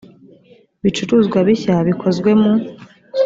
bicuruzwa bishya bikozwe mu